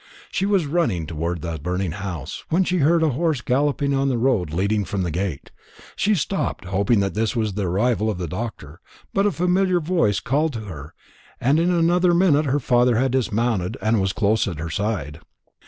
She was running towards the burning house, when she heard a horse galloping on the road leading from the gate. She stopped, hoping that this was the arrival of the doctor; but a familiar voice called to her, and in another minute her father had dismounted and was close at her side.